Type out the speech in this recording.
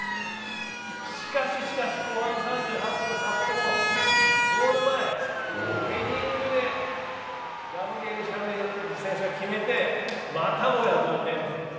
しかししかし、後半３８分札幌もゴール前、ヘディングでガブリエル・シャビエル選手が決めてまたもや同点と。